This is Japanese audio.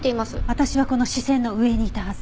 私はこの視線の上にいたはず。